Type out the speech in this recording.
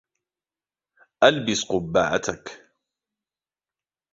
البس قبّعتك.